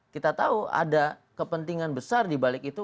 kita tahu ada kepentingan besar dibalik itu